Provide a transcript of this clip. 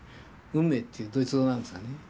運命っていうドイツ語なんですがね。